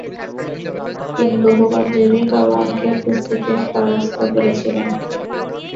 তিনি বহু পঞ্জাবী পালোয়ানকে কুস্তিতে পরাস্ত করেছিলেন।